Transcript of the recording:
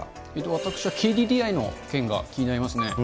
私はＫＤＤＩの件が気になりますね。